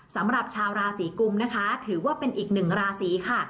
สำหรับชาวราศีกุมนะคะถือว่าเป็นอีกหนึ่งราศีค่ะ